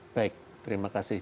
baik terima kasih